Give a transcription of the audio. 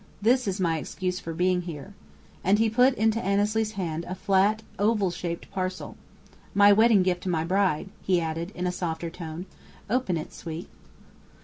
This is my excuse for being here," and he put into Annesley's hand a flat, oval shaped parcel. "My wedding gift to my bride," he added, in a softer tone. "Open it, sweet."